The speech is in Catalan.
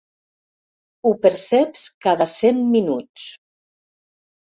Ho perceps cada cent minuts.